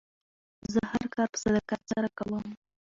زه هر کار په صداقت سره کوم.